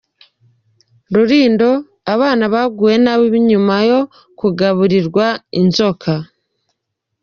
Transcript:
Rulindo: Abana baguwe nabi nyuma yo kugaburirwa inzoka.